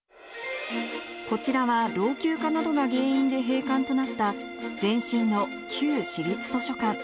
こちらは老朽化などが原因で閉館となった、前身の旧市立図書館。